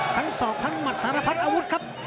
ศอกทั้งหมัดสารพัดอาวุธครับ